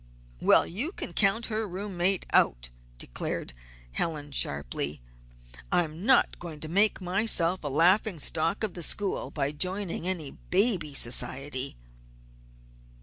"Well, you can count her room mate out," declared Helen, sharply. "I am not going to make myself a laughing stock of the school by joining any baby society."